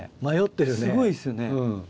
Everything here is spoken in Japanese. すごいっすよね。